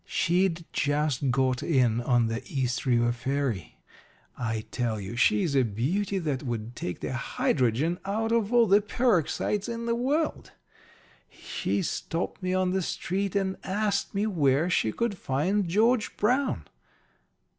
She'd just got in on the East River ferry. I tell you, she's a beauty that would take the hydrogen out of all the peroxides in the world. She stopped me on the street and asked me where she could find George Brown.